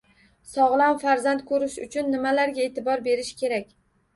Sog‘lom farzand ko‘rish uchun nimalarga e’tibor berish kerak?